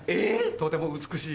とても美しい。